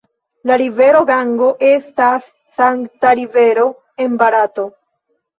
La rivero Gango estas sankta rivero en Barato.